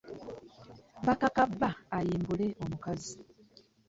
Baakaka bba ayimbule omukazi.